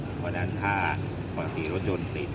เพราะฉะนั้นถ้าปกติรถยนต์ติด